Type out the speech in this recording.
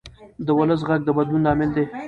د ولس غږ د بدلون لامل دی